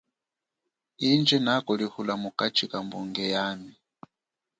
Indji nakulihula mukachi kabunge yami.